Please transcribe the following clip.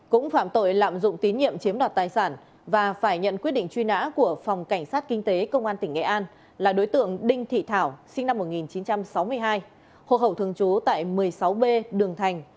cũng phạm tội lạm dụng tín nhiệm chiếm đoạt tài sản và phải nhận quyết định truy nã của phòng cảnh sát kinh tế công an tỉnh nghệ an là đối tượng đinh thị thảo sinh năm một nghìn chín trăm sáu mươi hai hộ khẩu thường trú tại một mươi sáu b đường thành